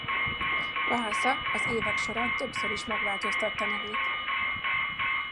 Vaasa az évek során többször is megváltoztatta nevét.